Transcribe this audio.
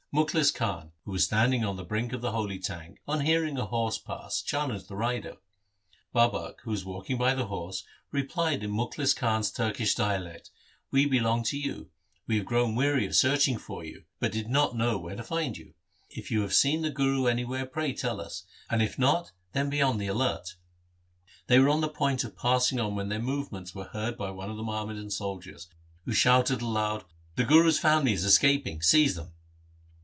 Mukhlis Khan, who was standing on the brink of the holy tank, on hearing a horse pass, challenged the rider. Babak, who was walking by the horse, replied in Mukhlis Khan's Turkish dialect, ' We belong to you. We have grown weary of searching for you, but did not know where to find you. If you have seen the Guru anywhere pray tell us, and if not, then be on the alert.' They were on the point of passing on when their movements were heard by one of the Muhammadan soldiers, who shouted aloud, 'The Guru's family is escaping, seize them.'